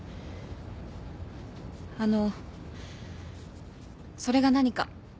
あのそれが何か？